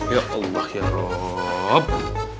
ya allah ya rabb